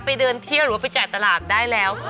เดินเที่ยวหรือว่าไปจ่ายตลาดได้แล้ว